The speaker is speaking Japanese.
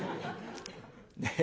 ねえ。